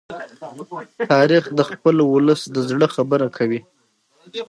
تاریخ د خپل ولس د زړه خبره کوي.